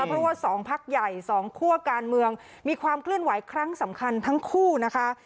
เพราะว่า๒พักใหญ่๒คั่วการเมืองมีความเคลื่อนไหวครั้งสำคัญทั้งคู่นะคะ